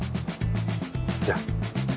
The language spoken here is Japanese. じゃあ。